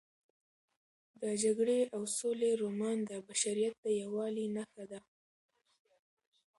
د جګړې او سولې رومان د بشریت د یووالي نښه ده.